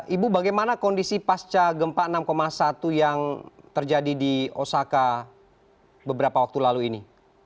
ibu bagaimana kondisi pasca gempa enam satu yang terjadi di osaka beberapa waktu lalu ini